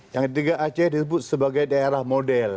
yang ketiga aceh disebut sebagai daerah model